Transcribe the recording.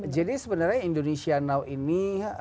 jadi sebenarnya indonesia now ini